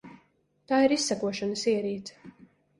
Tā ir izsekošanas ierīce.